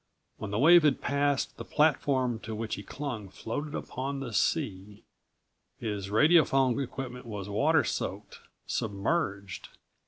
When the wave had passed, the platform to which he clung floated upon the sea. His radiophone equipment was water soaked, submerged.